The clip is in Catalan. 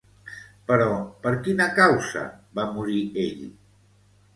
Però, per quina causa va morir ell?